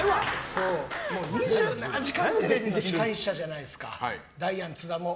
「２７時間テレビ」の司会者じゃないですかダイアン津田も。